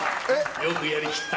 よくやり切った！